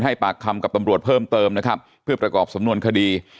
ปากคำกับตำรวจเพิ่มเติมนะครับเพื่อประกอบสำนวนคดี